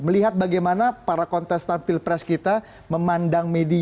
melihat bagaimana para kontestan pilpres kita memandang media